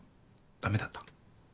ダメだった？